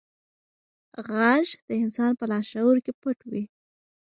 غږ د انسان په لاشعور کې پټ وي.